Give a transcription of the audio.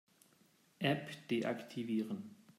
App deaktivieren.